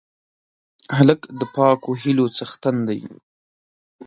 هلک د پاکو هیلو څښتن دی.